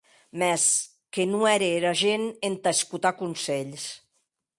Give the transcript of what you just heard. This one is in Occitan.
Mès que non ère era gent entà escotar conselhs!